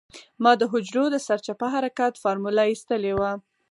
ما د حجرو د سرچپه حرکت فارموله اېستې وه.